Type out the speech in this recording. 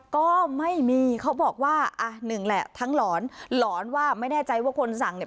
ก็ไม่มีเขาบอกว่าอ่ะหนึ่งแหละทั้งหลอนหลอนว่าไม่แน่ใจว่าคนสั่งเนี่ย